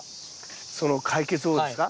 その解決方法ですか？